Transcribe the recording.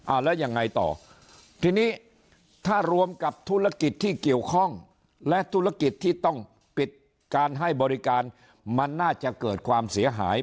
แล้วยังไงต่อทีนี้ถ้ารวมกับธุรกิจที่เกี่ยวข้องและธุรกิจที่ต้องปิดการให้บริการมันน่าจะเกิดความเสียหาย